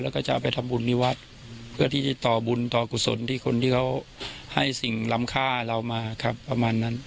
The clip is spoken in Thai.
แล้วก็จะเอาไปทำบุญที่วัดเพื่อที่จะต่อบุญต่อกุศลที่คนที่เขาให้สิ่งลำค่าเรามาครับประมาณนั้น